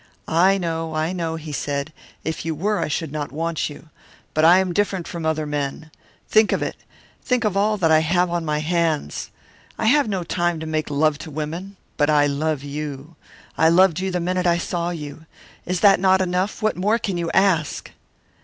"'I know, I know,' he said. 'If you were, I should not want you. But I am different from other men. Think of it think of all that I have on my hands. I have no time to make love to women. But I love you. I loved you the minute I saw you. Is not that enough? What more can you ask?'